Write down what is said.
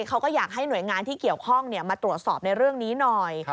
เขาก็อยากให้หน่วยงานที่เกี่ยวข้องมาตรวจสอบในเรื่องนี้หน่อย